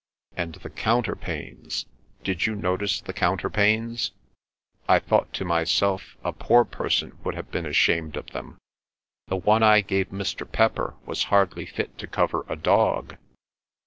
And the counterpanes. Did you notice the counterpanes? I thought to myself a poor person would have been ashamed of them. The one I gave Mr. Pepper was hardly fit to cover a dog.